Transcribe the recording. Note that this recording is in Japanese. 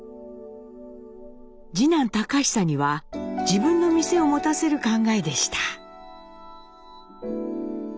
次男隆久には自分の店を持たせる考えでした。